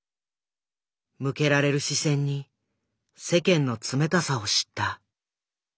向けられる視線に世間の冷たさを知った。